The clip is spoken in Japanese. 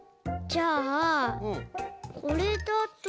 じゃあこれだと。